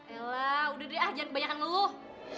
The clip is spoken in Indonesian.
ella udah deh ah jangan kebanyakan ngeluh